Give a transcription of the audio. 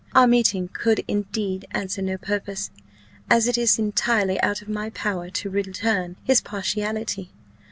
Our meeting could indeed answer no purpose, as it is entirely out of my power to return his partiality.